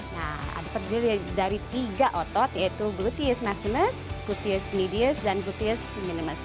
nah ada terdiri dari tiga otot yaitu gluteus maximus gluteus medius dan gluteus minimus